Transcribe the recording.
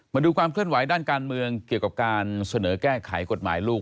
มาดูความเคลื่อนไหวด้านการเมืองเกี่ยวกับการเสนอแก้ไขกฎหมายลูก